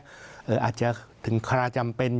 อาจจะถึงคราจำเป็น